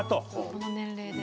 この年齢で。